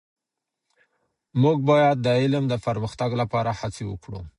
موږ باید د علم د پرمختګ لپاره هڅې وکړو.